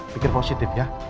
pikir positif ya